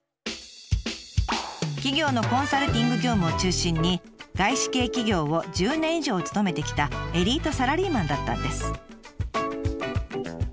企業のコンサルティング業務を中心に外資系企業を１０年以上勤めてきたエリートサラリーマンだったんです。